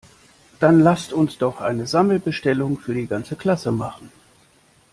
Dann lasst uns doch eine Sammelbestellung für die ganze Klasse machen!